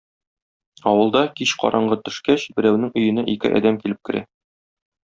Авылда, кич караңгы төшкәч, берәүнең өенә ике әдәм килеп керә